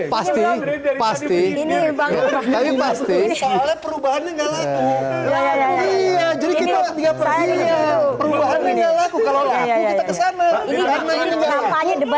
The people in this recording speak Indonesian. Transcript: pasti pasti ini pasti perubahannya enggak laku ya jadi kita lihat perubahannya enggak laku kalau